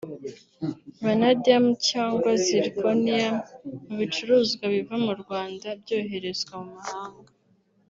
vanadium cyangwa zirconium mu bicuruzwa biva mu Rwanda byoherezwa mu mahanga